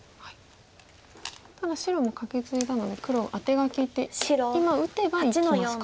ただ白もカケツイだので黒アテが利いて今打てば生きますか。